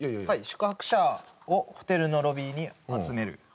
「宿泊者をホテルのロビーに集める」